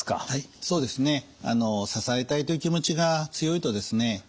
はいそうですね。支えたいという気持ちが強いとですね